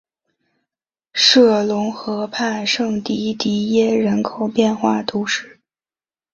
杜龙河畔圣迪迪耶人口变化图示